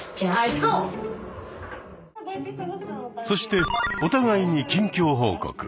そしてお互いに近況報告。